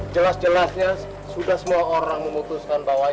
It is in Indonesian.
jelas jelasnya sudah semua orang memutuskan bahwa